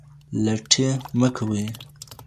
لټي مه کوئ.